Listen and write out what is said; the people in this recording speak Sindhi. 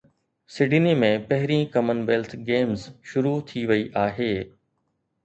سڊني ۾ پهرين ڪمن ويلٿ گيمز شروع ٿي وئي آهي